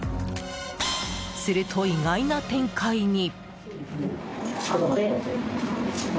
すると意外な展開に。